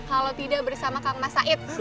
kalau tidak bersama kang mas said